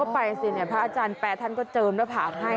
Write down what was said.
พระอาจารย์แปลท่านก็เจินแล้วผ่านให้